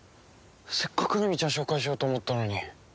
せっかくルミちゃんを紹介しようと思ったのに。